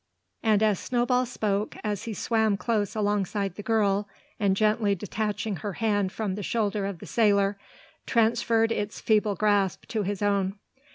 And as Snowball spoke, he swam close alongside the girl and, gently detaching her hand from the shoulder of the sailor, transferred its feeble grasp to his own.